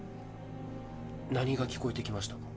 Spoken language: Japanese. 何が聞こえてきましたか？